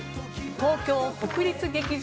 東京・国立劇場